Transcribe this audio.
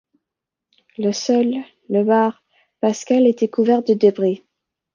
Le sol, le bar, Pasquale, étaient couverts de débris.